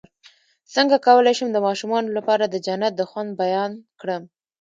څنګه کولی شم د ماشومانو لپاره د جنت د خوند بیان کړم